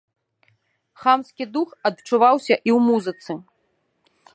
Хамскі дух адчуваўся і ў музыцы.